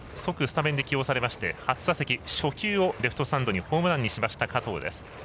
おととい即先発に起用されまして初打席、初球をレフトスタンドにホームランにしました加藤です。